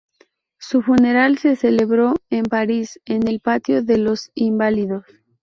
Su funeral se celebró en París en el patio de los Inválidos.